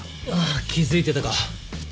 気づいてたか。